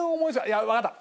いやわかった！